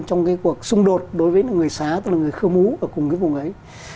trong cái cuộc xung đột đối với người xá tức là người khơ mú ở cùng cái vùng ấy